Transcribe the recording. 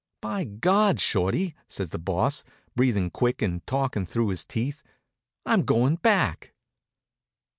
"By God, Shorty," says the Boss, breathing quick and talking through his teeth, "I'm going back."